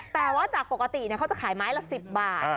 แต่ว่าจากปกติเขาจะขายไม้ละ๑๐บาท